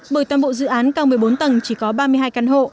bởi toàn bộ dự án cao một mươi bốn tầng chỉ có ba mươi hai căn hộ